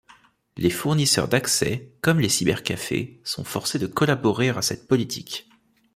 Les fournisseurs d'accès, comme les cybercafés, sont forcés de collaborer à cette politique.